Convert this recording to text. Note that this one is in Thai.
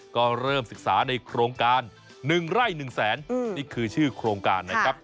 ก็เริ่มศึกษาในโครงการ๑ไร่๑แสนนี่คือชื่อโครงการนะครับ